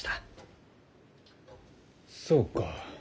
そうか。